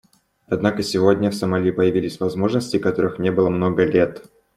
Однако сегодня в Сомали появились возможности, которых не было много лет.